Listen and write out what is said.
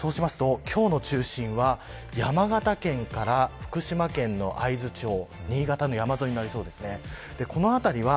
そうしますと今日の中心は山形県から福島県の会津地方新潟の山沿いになりそうですね。